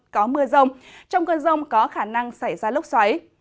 có mưa rông trong cơn rông có khả năng xảy ra lốc xoáy